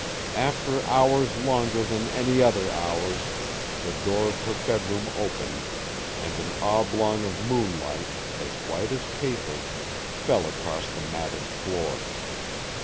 After hours longer than any other hours, the door of her bedroom opened and an oblong of moonlight, as white as paper, fell across the matted floor.